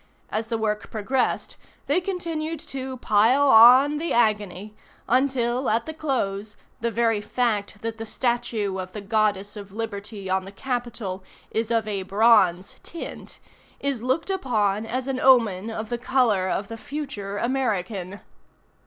As the work progressed, they continued to "pile on the agony," until, at the close, the very fact that the statue of the Goddess of Liberty on the Capitol, is of a bronze tint, is looked upon as an omen of the color of the future American!